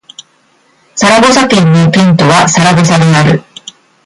サラゴサ県の県都はサラゴサである